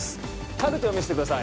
カルテを見せてください